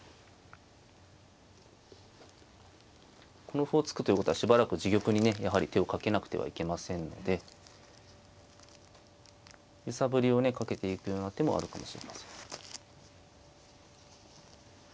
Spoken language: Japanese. この歩を突くということはしばらく自玉にねやはり手をかけなくてはいけませんので揺さぶりをねかけていくような手もあるかもしれません。